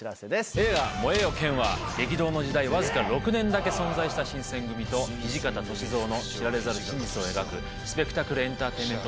映画『燃えよ剣』は激動の時代わずか６年だけ存在した新選組と土方歳三の知られざる真実を描くスペクタクルエンターテインメント大作です。